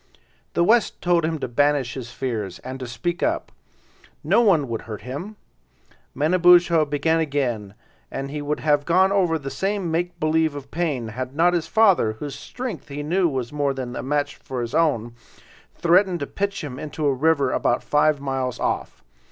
The West told him to banish his fears, and to speak up; no one would hurt him. Manabozho began again, and he would have gone over the same make believe of pain, had not his father, whose strength he knew was more than a match for his own, threatened to pitch him into a river about five miles off.